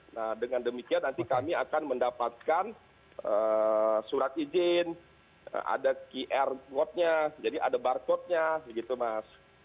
nah dengan demikian nanti kami akan mendapatkan surat izin ada qr code nya jadi ada barcode nya begitu mas